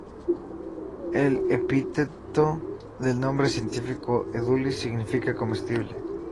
El epíteto del nombre científico, "edulis" significa "comestible".